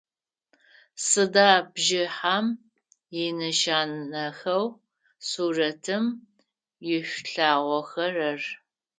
Сыда бжыхьэм инэшанэхэу сурэтым ишъулъагъохэрэр?